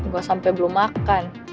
gue sampe belum makan